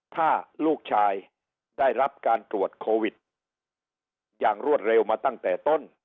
ถ้าลูกชายได้รับการตรวจโควิดอย่างรวดเร็วมาตั้งแต่ต้น